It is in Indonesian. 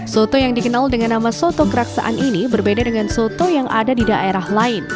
soto yang dikenal dengan nama soto keraksaan ini berbeda dengan soto yang ada di daerah lain